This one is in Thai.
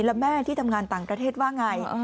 แล้วแม่ที่ทำงานต่างประเทศว่าไง